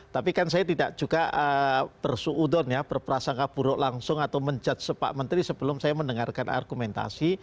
tapi kan saya tidak juga bersuudon ya berprasangka buruk langsung atau menjudge pak menteri sebelum saya mendengarkan argumentasi